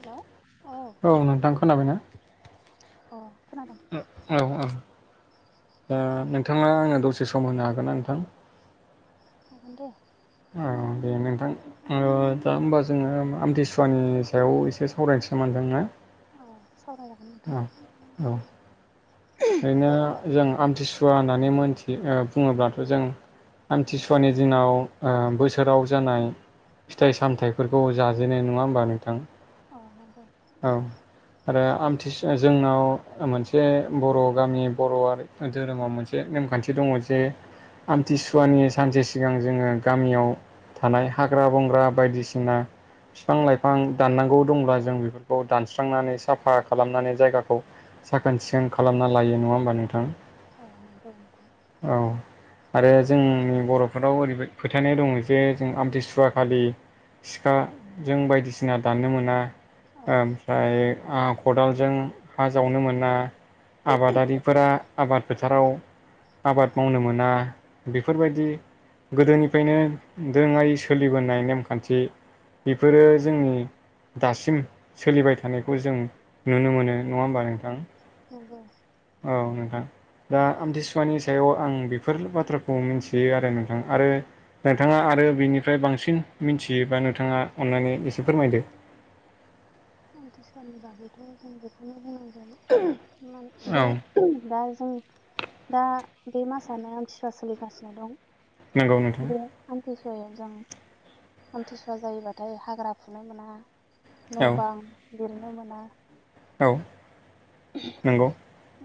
हेल' औ। औ नोंथां खोनाबायना? अ खोनादों। औ औ ओ नोंथाङा आंनो दसे सम होनो हागोन ना नोंथां। हागोन दे। औ दे नोंथां। ओ दा होनबा जोङो आमथिसुवानि सायाव एसे सावरायनोसै [unintelligible] अ सावराय। [unintelligible] औ औ ओरैनो जों आमथिसु वा होननानै मोनथि ओ बुङोब्लाथ' जों आमथिसुवानि दिनाव ओ बोसोराव जानाय फिथाइ सामथायाइफोरखौ जाजेनो नङा होमबा नोंथां? अ नोंगौ औ आरो आम थिसुवा जोंनाव मोनसे बर' गामि बर'आरि धोरोमाव मोनसे जे नेमखान्थि दङ जे आमथिसुवानि सानसे सिगां जोङो गामियाव थानाय हाग्रा बंग्रा बायदिसिना फिफां लाइफां दाननांगौ दंब्ला जों बेफोरखौ दानस्रांनानै साफा खालामनानै जायगाखौ साखोन सिखोन खालामना लायो नङा होनबा नोंथां? औ नोंगौ नोंथां औ आरो जोंनि बर'फोरनाव ओरैबाय फोथायनाय दङ जे जों आमथिसुवा खालि सिखा जों बायदिसिना दाननो मोना औ ओमफ्राय आ खदालजों हा जावनो मोना आबादारिफोरा आबाद फोथाराव आबाद मावनो मोना बेफोरबायदि गोदोनिफायनो दोरोङारि सोलिबोनाय नेमखान्थि बेफोरो जोंनि दासिम सोलिबाय थानायखौ जों नुनो मोनो नङा होमबा नोंथां? नंगौ औ नोंथां दा आमथिसुवानि सायाव आं बेफोरल बाथ्राखौ मिथियो आरो नोंथां आरो नोंथाङा आरो बिनिफ्राय बांसिन मिन्थियोबा नोंथाङा अन्नानै एसे फोरमायदो आमथिसुवनि बागैथ' जों बेखौनो बुंनांगोन [unintelligible] बे औ [unintelligible] दा जों दा बे मासआनो आमथिसुवा सोलिगासिनो दं नंगौ नोंथां [unintelligible] बे आमथिसुवायाव जों आमथिसुवा जायोबाथाय हाग्रा फुनो मोना न' औ बां लिरनो मोना औ नोंगौ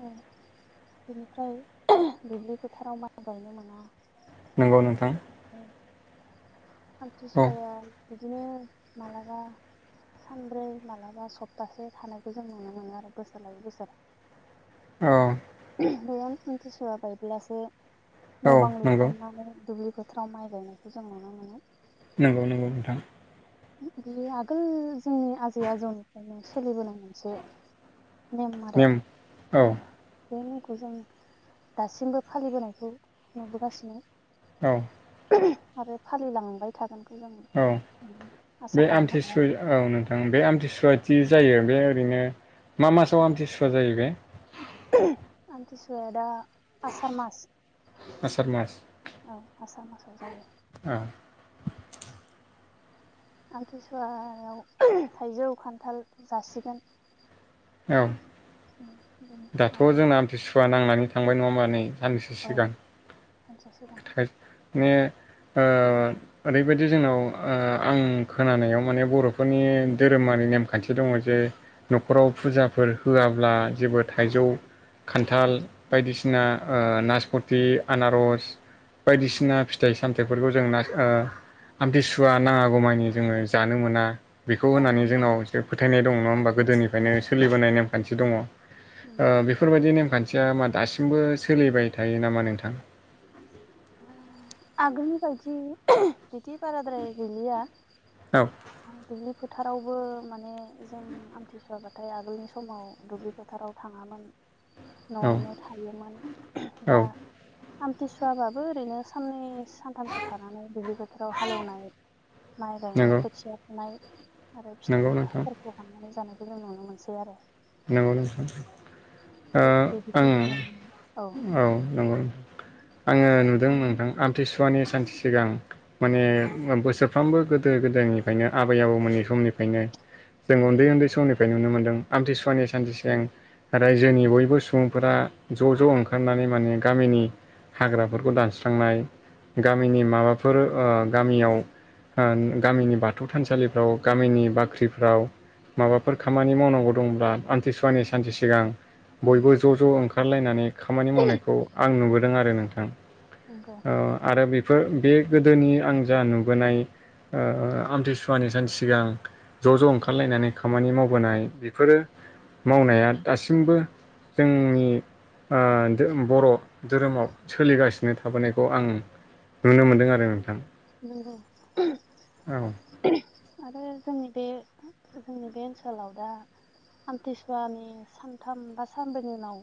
उम बिनिफ्राय दुब्लि फोथाराव माइ गायनो मोना। नंगौ नोंथां। उम। औ आमथिसुवाया बिदिनो माब्लाबा। सानब्रै मालाबा सप्तासे थानायखौ जों नुनो मोनो आरो बोसोर लायै बोसोरा। औ। बे मिथिसुवा बायब्लासो न' औ बां नंगौ लिखांनानै दुब्लिखौ। फ्राव माइ गायनायखौ जों नुनो मोनो। नंगौ नंगौ नोंथां। बियो आगोल जोंनि आजै आजौनिफ्रायनो सोलिबोनाय मोनसे। मेम आरो नेम औ। बे नेमखौ जों दासिमबो फालिबोनायखौ नुबोगासिनो। औ। आरो फालिलांबाय थागोनखौ जों। औ आसा बे खालामहरो आरो आमथिसुवाया। औ नोंथां बे आमथिसुवादि जायो बे ओरैनो मा मासाव आमथिसुवा जायो बे। आमथिसुया दा आसार मास। आसार मास औ आसर मासाव जायो। औ। आमथिसुवायाव थाइजौ खान्थाल जासिगोन। औ। उम उम आरो। फुवा नांनानै थांबाय नङा होनोमबा नै साननैसो औ सिगां सानसे सिगां माने। ओ। ओरैबायदि जोंनाव ओ आं खोनानायाव माने बर'फोरनि धोरोमारि नेमखान्थि दङ जे। न'खराव फुजाफोर होआब्ला जोबोद। थाइजौ खान्थाल बायदिसिना ओ नासपथि आनारस। बायदिसिना फिथाइ सामथाइफोरखौ जों ना ओ। आम्थिसुवा नाङागौमानि जोङो जानो मोना। बेखौ होनानै जानांगौ जोंनाव एसे फोथायनाय दङ नङा होमबा औ गोदोनिफ्रायनो सोलिबोनाय नेमखान्थि दङ। ओ नंगौ बेफोरबायदि नेमखान्थिया मा दासिमबो सोलिबाय थायो नामा नोंथां। ओ आगोलनि बायदि ओहो बिदि बाराद्राय गैलिया। औ दुब्लि फोथारावबो माने जों आम्थिसुवाबाथाय आगोलनि समाव दुब्लि फो फोथाराव थाङामोन। औ न'आवनो थायोमोन औ दा आमथिसुवाबा दो ओरैनो साननैस सानथामसो थानानै दुब्लि बोथोराव हालेवनाय माइ गायनाय नंगौ खोथिया फुनाय। आरो फिथाइ नंगौ नोंथां फाफोरखौ हान्नानै जानायखौ जों नुनो मोनसै आरो। नोंगौ नोंथां। ओ बे बिदिखौ ओं जों नुनो मोनो औ नंगौ। आङो नुदों नोंथां आम्थिसुवानि सानसे सिगां। माने बोसोरफ्रामबो गोदो गोदायनिफ्रायनो आबै आबौमोननि समनिफ्रायनो। जों उन्दै उन्दै समनिफ्राय नुनो मोनदों आम्थिसुवानि सानसे सिगां। राज्योनि बयबो सुबुंफोरा ज' ज' ओंखारनानै माने गामिनि। हाग्राफोरखौ दानस्रांनाय गामिनि माबाफोर ओ गामियाव। होन गामिनि बाथौ थानसालिफ्राव गामिनि बाख्रिफ्राव। औ माबाफोर खामानि मावनांगौ दंब्ला आम्थिसुवानि सानसे सिगां औ बयबो ज' ज' ओंखा ओंखारलायनानै खामानि मावनायखौ आं नुबोदों आरो नोंथां। नंगौ ओ आरो बेफोर बे गोदोनि आं जा नुबोनाय। ओ आम्थिसुवानि सानसे सिगां। ज' ज' ओंखारलायनानै खामानि मावबोनाय बेफोरो मावनाया दासिमबो जोंनि ओ धो बर' धोरोमाव सोलिगासिनो थाबोनायखौ आं नुनो मोनदों आरो नोंथां। औ [unintelligible] आरो जोंनि बे जोंनि बे ओनसोलाव दा [unintelligible] आम्थिसुवानि सानथाम बा सानब्रैनि उनाव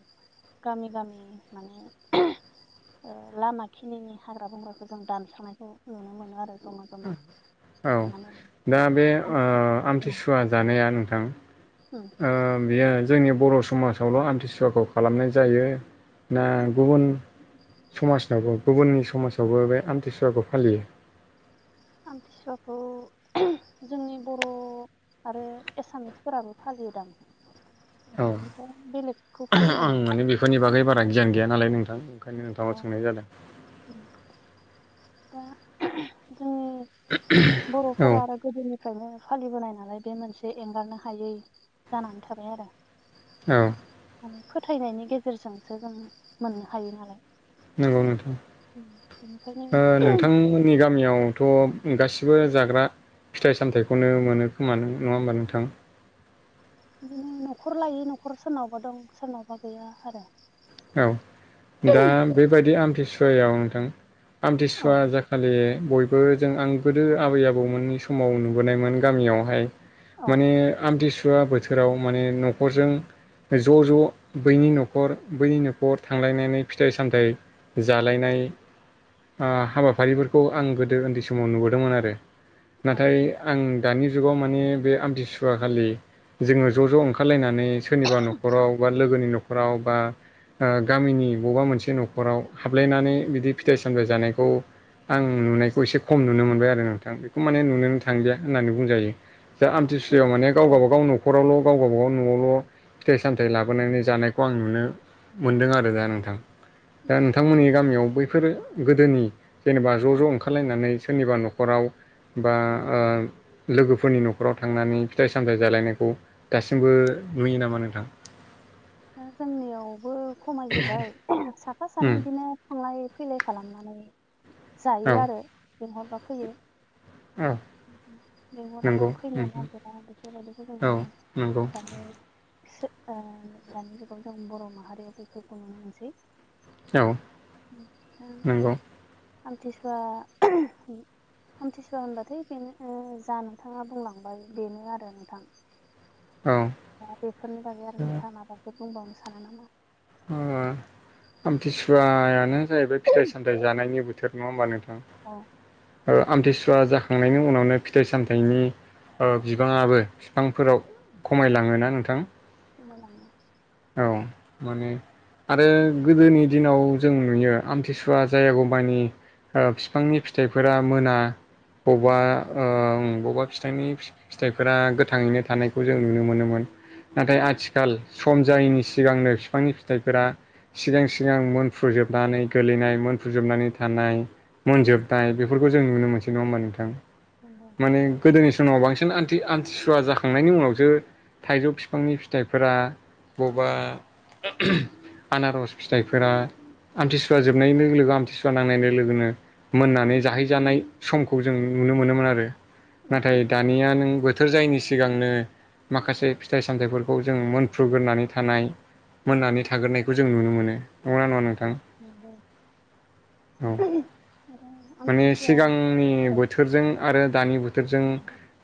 गामि गामि माने [unintelligible] ओ लामाखिनिनि हाग्रा बंग्राखौ जों दानस्र'नायखौ नुनो मोनो आरो जमा जमा औ माने दा बे ओ आम्थिसुवा जानाया नोंथां। उम। ओ बियो जोंनि बर' समाजावल' आम्थिसुवाखौ खालामनाय जायो। ना गुबुन समाजावबो गुबुननि समाजावबो बे आम्थिसुवाखौ फालियो। आम्थिसुवाखौ ओम जोंनि बर'। आरो एसामिसफोराबो फालियोदां। [inaudible] बेनिफ्राय बेलेगखौ फालिनाय नुवाखै आं। बेफोरनि बागै बारा गियान गैया नालाय नोंथां ओंखायनो नोंथांनाव सोंनाय जादों। ओम दा जोंनि औ बरफोरा आरो गोदोनिफ्रायनो फालिबोनाय नालाय बे मोनसे एंगारनो हायै जानानै थाबाय आरो। औ। मान फोथायनायनि गेजेरजोंसो जों मोननो हायो नालाय। नंगौ नोंथां बेनिखायनो ओ नोंथां जोंनि गामियावथ' गासिबो जाग्रा फिथाय सामथायखौनो मोनो खोमा नङा होमबा नोंथां? बिदिनो नखर लायै न'खर सोरनावबा दं सोरनावबा गैया आरो। औ दा बेबायदि आमतिसुवायाव नोंथां आमथिसुवा औ जाखालि बय जों आं गोदो आबै आबौमोननि समाव नुबोनायमोन गामियावहाय। औ माने आमथिसुवा बोथो जेराव माने न'खरजों ज' ज' बैनि न'खर बैनि न'खर थांलायनानै फिथाइ सामथाइ जालायनाय ओ हाबाफारिफोरखौ आं गोदो उन्दै समाव नुबोदोंमोन आरो। औ नाथाय आं दानि जुगाव माने बे आमथिसुव खालि जोङो ज' ज' ओंखार खारलायनानै सोरनिबा न'खराव बा लोगोनि न'खराव बा ओ गामिनि बबेबा मोनसे न'खराव हाबलायनानै बिदि फिथाइ सामथाइ जानायखौ आं नुनायखौ एसे खम नुनो मोनबाय आरो नोंथां, बेखौ माने नुनोनो थांदिया होननानै बुंजायो। जाे आमथिसुुरयाव माने गाव औ गावबा गावनो न'खरावल' गाव गबागाव न'आवल' फिथाइ सामथायाइ लाबोनानै जानायखौ आं नुनो मोनदों आरो दा नोंथां दा नोंथांमोननि गामियाव बैफोरो गोदोनि जेनेबा ज' ज' ओंखारलायनानै सोरनिबा न'खराव बा औ ओ लोगोफोरनि न'खराव थांनानै फिथाइ सामथाय जालायनायखौ दासिमबो नुयो नामा नोंथां? दा जोंनियावबो खमायजोब्बाय साफा सानै उम इदिनो थांलाय फैलाय खालामनानै जायो आरो लिंहरबा फैयो। औ लिंहराबा नंगौ फैनो उम नागिरा बेफोरबायदिखौ जों औ मोनो नंगौ दानि सो ओ दानि जुगाव जों बर' माहारियाव बैफोरखौ नुनो मोनसै। औ उम दा नंगौ आमथिसुआ उम आमथिसुवा होनबाथाय बेनो ओ जा नोंथाङा बुंलांबाय बेनो आरो नोंथां। औ दा बेफोरनि बागै आरो नोंथाङा माबोफोर बुंबावनो सानो नामा? ओ आमथिसुवायानो जाहैबाय फिथाइ सामथाइ जानायनि बोथोर नङा होमबा नोंथां? अ ओ आमथिसुवा जाखांनायनि उनावनो फिथाइ सामथाइनि ओ बिबाङाबो फिफांफोराव खमाय लाङोना नोंथां? खमायलांङो। औ मोनो आरो गोदोनि दिनाव जों नुयो आमथिसुवा जायागौमानि ओ फिफांनि फिथाइफोरा मोना मोना बौबा ओ ओं बबेबा फिथाइनि फिथाइफोरा गोथाङैनो थानायखौ जों नुनो मोनोमोन। नाथाय उम आथिखाल सम जायैनि सिगांनो फिफांनि फिथाइफोरा सिगां सिगां मोनफ्रुजोबनानै गोलैनाय मोनफ्रुजोबनानै थानाय उम मोनजोबनाय बेफोरखौ जों नुनो मोनसै नङा होमबा नोंथां? नंगौ। माने गोदोनि समाव बांसिन आन्थि आमथिसुवा जाखांनायनि उनावसो थाइजौ फिफांनि फिथाइफोरा बबेबा आनारस फिथाइफोरा आमथिसुवा जोबनाय लोगो लोगो आमथिसुवा नांनाय लोगो लोगोनो मोननानै जाहैजानाय समखौ जों नुनो मोनोमोन आरो उम नाथाय उम दानिया नों बो थोर जायैनि सिगांनो माखासे फिथाइ सामथाइफोरखौ जों मोनफ्रुग्रोनानै थानाय उम मोननानै थाग्रोनायखौ जों नुनो मोनो नंगोना नङा नोंथां? नंगौ औ [unintelligible] आरो माने आमथिसुवा सिगांनि औ बोथोरजों आरो दानि बोथ थोरजों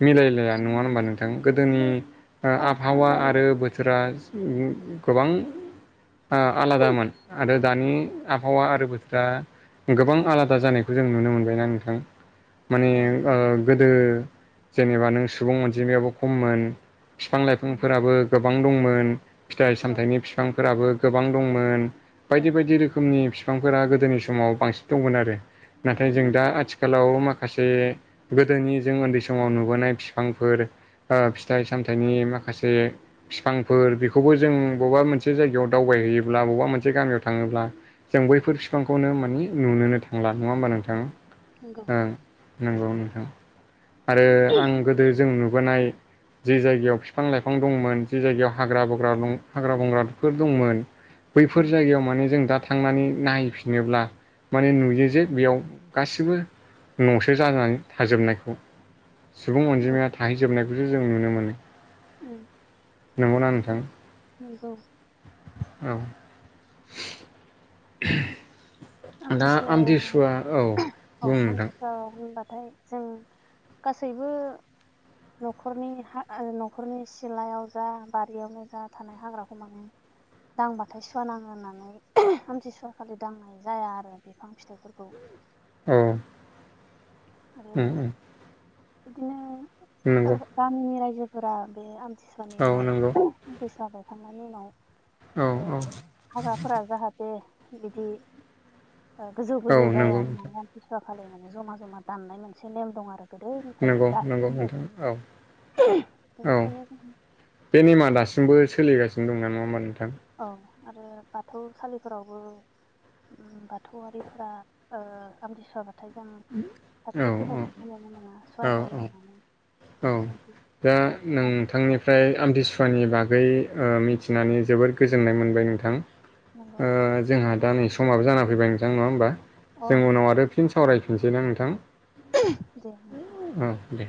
मिलायलाया नङा होनबा नोंथां गोदोनि एसे ओ फाराग फाराग आबहावा आरो जाबोबाय बोथ थोरा गोबां आ आलादामोन आरो दानि आबहावा आरो बोथोरा गोबां आलादा जानायखौ जों नुनो मोनबायना नोंथां? माने औ ओ नंगौ गोदो जेनेबा नों सुबुं अनजिमायाबो खममोन। फिफां उम लाइफांफोराबो गोबां दंमोन फिथाइ औ सामथाइनि फिफांफोराबो गोबां दंमोन। औ बायदि बायदि रोखोमनि फिफांफोरा गोदोनि समाव बांसिन दंमोन आरो नाथाय जों नंगौ दा आथिख खालाव माखासे गोदोनि जों उन्दै समाव नुबोनाय फिफांफोर ओ फिथाइ सामथाइनि माखासे फिफांफोर बेखौबो जों बबेबा मोनसे जायगायाव दावबायहैयोब्ला बबेबा मोनसे गामियाव थाङोब्ला जों बैफोर फिफांखौनो मानि नुनोनो थांला। नङा होमबा नोंथां नंगौ ओ नंगौ नोंथां आरो आं गोदो जों नुबोनाय जि जायगायाव फिफां लाइफां दंमोन जि जायगायाव हाग्रा बंग्रा हाग्रा बंग्राफोर दंमोन बैफोर उम जायगायाव माने जों दा थांनानै नायहैफिनोब्ला माने नुयो जे बेयाव गासिबो न'सो जानानै थाजोबनायखौ। सुबुं औ अनजिमाया थाहैजोबनायखौसो जों नुनो मोनो। उम नंगौना नोंथां? नंगौ औ दा आमथिसुवा आमथिसुआ औ बुं नोंथां। ओ होनबाथाय जों गासैबो न'खरनि न'खरनि सिलायाव जा बारियावनो जा थानाय हाग्राखौ माने दांबाथाय सुवा नाङो होननानै आमथिसुवा खालि दांनाय जाया आरो बिफां फिथाइफोरखौ। औ आरो उम उम बिदिनो नंगौ गामिनि रायजोफोरा बे आम थि सुवानि औ उनाव नंगौ आमथिसुवा बायखांनायनि उनाव औ औ हाग्राफोरा जाहाथे बिदि ओ गोजौ औ गोजौ जाया नंगौ नोंथां होननानै थि सुवा खालि माने जमा जमा दाननाय मोनसे नेम दं आरो। गोदो निफ्रायायनो नंगौ नंगौ दासिमबो नोंथां औ औ बेनिखायनो जों बे नेमा दासिमबो सोलिगानो दं ना नङा होमबा नोंथां? औ आरो बाथौसालिफोरावबो उम बाथौआरिफोरा ओ आमथिसुवा नाथाय जों औ साथि औ फोजोंनायखौ नुनो मोना औ सुवा जायो औ होननानै औ बेखौ मोनसे दा औ नोंथांनिफ्राय आमथिसुवानि बागै ओ मिथिनानै जोबोर गोजोननाय मोनबाय नोंथां। नंगौ ओ जोंहा दा नै समाबो जाना फैबाय नोंथां नङा होमबा औ जों उनाव नंगौ आरो फिन सावरायफिनसै ना नोंथां। दे नोंथां। औ दे